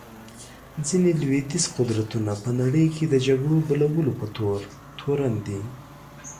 ځینې لوېدیځ قدرتونه په نړۍ کې د جګړو بلولو په تور تورن دي.